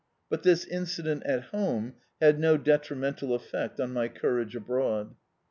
But this incident at home had no detrimental effect on my courage abroad.